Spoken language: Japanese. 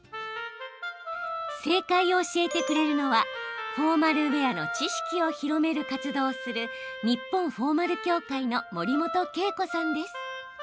正解を教えてくれるのはフォーマルウェアの知識を広める活動をする日本フォーマル協会の森本圭子さんです。